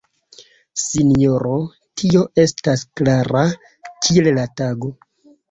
Sinjoro, tio estas klara kiel la tago!